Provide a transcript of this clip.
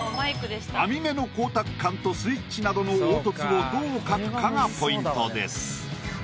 網目の光沢感とスイッチなどの凹凸をどう描くかがポイントです。